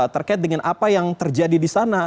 terkait dengan apa yang terjadi disana